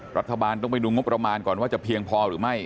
รัฐบาลต้องไปดูงบประมาณก่อนว่าจะเพียงพอหรือไม่